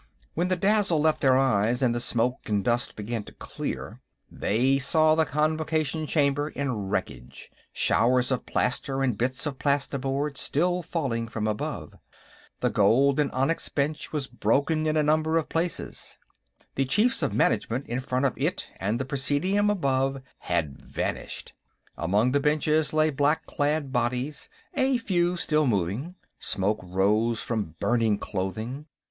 When the dazzle left their eyes, and the smoke and dust began to clear, they saw the Convocation Chamber in wreckage, showers of plaster and bits of plastiboard still falling from above. The gold and onyx bench was broken in a number of places; the Chiefs of Management in front of it, and the Presidium above, had vanished. Among the benches lay black clad bodies, a few still moving. Smoke rose from burning clothing.